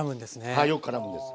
はいよくからむんです。